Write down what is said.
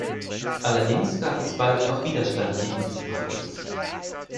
Allerdings gab es bald auch Widerstand gegen diese Praxis.